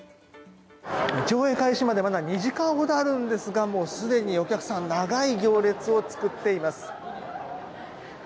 上映開始までまだ２時間ほどあるんですがもうすでに、お客さん長い行列を作っています。